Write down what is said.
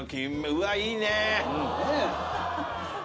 うわいいね。